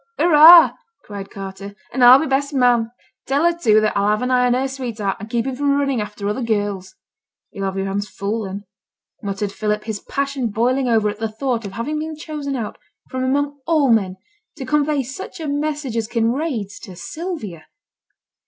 'Hurra!' cried Carter, 'and I'll be best man. Tell her, too that I'll have an eye on her sweetheart, and keep him from running after other girls.' 'Yo'll have yo'r hands full, then,' muttered Philip, his passion boiling over at the thought of having been chosen out from among all men to convey such a message as Kinraid's to Sylvia.